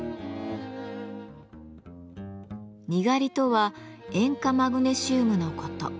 にがりとは塩化マグネシウムのこと。